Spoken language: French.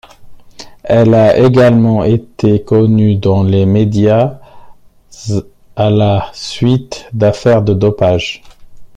Elle a également été connue dans les médias à la suite d'affaires de dopage.